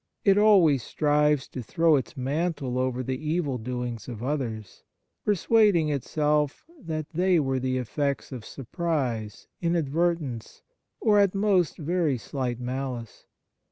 It always strives to throw its mantle over the evil doings of others, per suading itself that they were the effects of surprise, inadvertence, or at most very slight malice.